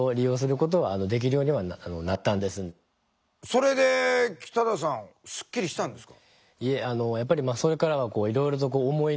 それで北田さんすっきりしたんですか？